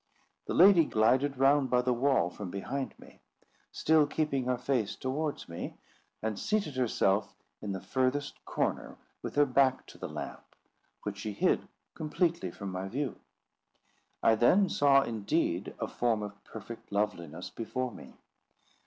The lady glided round by the wall from behind me, still keeping her face towards me, and seated herself in the furthest corner, with her back to the lamp, which she hid completely from my view. I then saw indeed a form of perfect loveliness before me.